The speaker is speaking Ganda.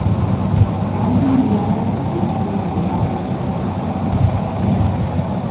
Nankindu yayanjudde ebikulu bye baateesezzaako.